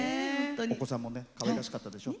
お子さんもかわいらしかったでしょ。